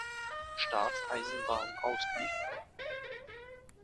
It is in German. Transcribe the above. Staatseisenbahnen ausgeliefert.